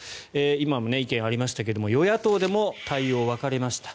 今も意見がありましたが与野党でも対応が分かれました。